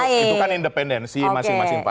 itu kan independensi masing masing partai